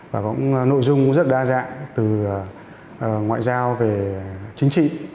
và cũng nội dung rất đa dạng từ ngoại giao về chính trị